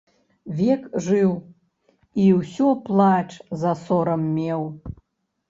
Век жыў і ўсё плач за сорам меў.